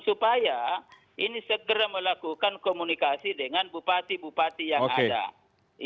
supaya ini segera melakukan komunikasi dengan bupati bupati yang ada